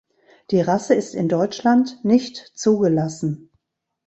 Die Rasse ist in Deutschland nicht zugelassen.